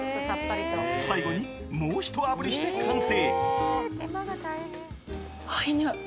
最後にもうひとあぶりして完成。